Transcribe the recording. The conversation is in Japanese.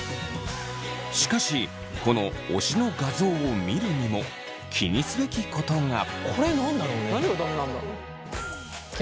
しかしこの推しの画像を見るにも気にすべきことが。